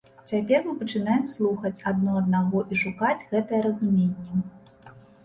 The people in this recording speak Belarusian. Цяпер мы пачынаем слухаць адно аднаго і шукаць гэтае разуменне.